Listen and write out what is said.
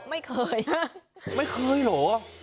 ไม่เคยไม่เคยเหรอไม่เคยอ่ะ